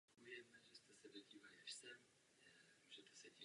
Samci mají obvykle větší území.